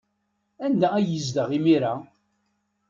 Anda ay yezdeɣ imir-a?